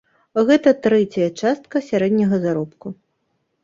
Гэта трэцяя частка сярэдняга заробку.